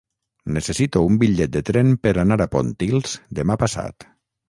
Necessito un bitllet de tren per anar a Pontils demà passat.